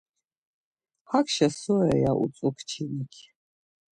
Hakşa so re? ya utzu kçinik.